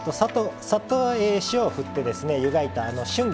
サッと塩をふって湯がいた春菊